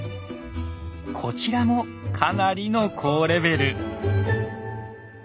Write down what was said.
こちらもかなりの高レベル。